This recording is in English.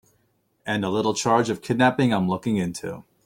And a little charge of kidnapping I'm looking into.